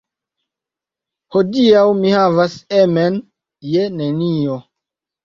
Hodiaŭ mi havas emen je nenio.